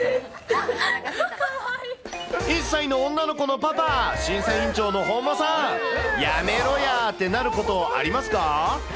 １歳の女の子のパパ、審査委員長の本間さん、やめろやーってなること、ありますか？